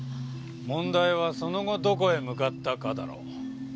問題はその後どこへ向かったかだろう。